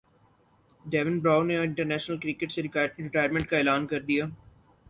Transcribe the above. ڈیوین Bravo نے international cricket سے retirement کا اعلان کردیا